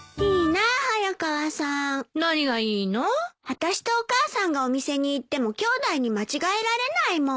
あたしとお母さんがお店に行ってもきょうだいに間違えられないもん。